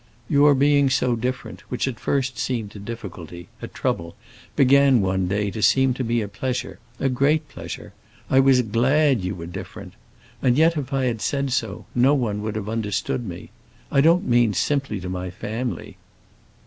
"Your being so different, which at first seemed a difficulty, a trouble, began one day to seem to me a pleasure, a great pleasure. I was glad you were different. And yet if I had said so, no one would have understood me; I don't mean simply to my family."